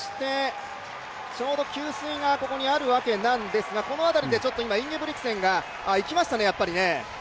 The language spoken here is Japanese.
ちょうど給水があるわけなんですがこの辺りでインゲブリクセンが行きましたね、やっぱりね。